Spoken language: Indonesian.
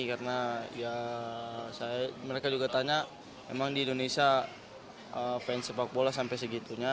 karena ya mereka juga tanya emang di indonesia fans sepak bola sampai segitunya